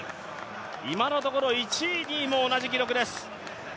今のところ１位、２位も同じ記録です